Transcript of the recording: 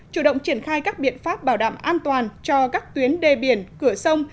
chủ động triển khai các biện pháp bảo đảm an toàn cho các tuyến đê biển cửa sông